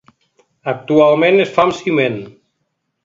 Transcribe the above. Actualment es fa amb ciment.